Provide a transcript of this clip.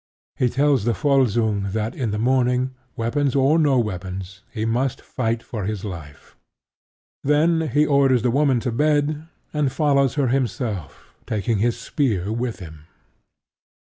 He tells the Volsung that in the morning, weapons or no weapons, he must fight for his life. Then he orders the woman to bed, and follows her himself, taking his spear with him.